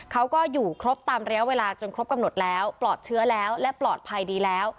เขาก็อยู่ครบตามระยะเวลาจนครบกำหนดแล้วปลอดเชื้อแล้วและปลอดภัยดีแล้ว